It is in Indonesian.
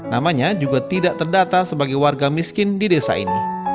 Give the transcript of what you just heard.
namanya juga tidak terdata sebagai warga miskin di desa ini